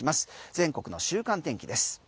全国の週間天気です。